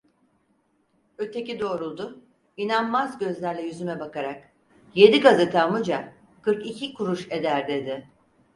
Öteki doğruldu, inanmaz gözlerle yüzüme bakarak: "Yedi gazete amuca, kırk iki kuruş eder!" dedi.